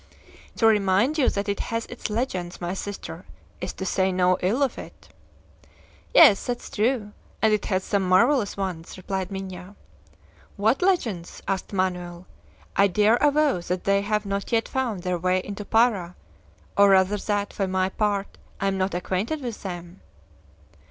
"To remind you that it has its legends, my sister, is to say no ill of it." "Yes, that is true; and it has some marvelous ones," replied Minha. "What legends?" asked Manoel. "I dare avow that they have not yet found their way into Para or rather that, for my part, I am not acquainted with them."